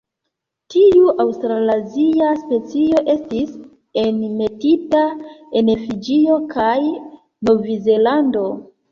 Tiu aŭstralazia specio estis enmetita en Fiĝio kaj Novzelando.